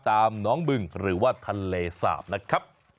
น้องบึงหรือว่าทะเลสาบนะครับ